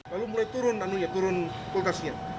lalu mulai turun turun kultasnya